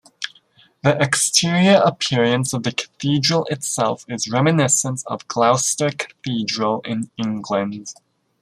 The exterior appearance of the Cathedral itself is reminiscent of Gloucester Cathedral in England.